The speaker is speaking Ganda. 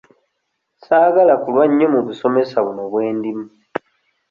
Ssaagala kulwa nnyo mu busomesa buno bwe ndimu.